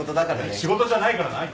仕事じゃないからな。